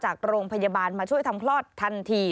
จากโรงพยาบาลมาช่วยทำคลอดทันที